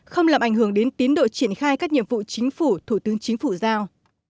không làm ảnh hưởng đến tiến độ triển khai các nhiệm vụ chính phủ thủ tướng chính phủ giao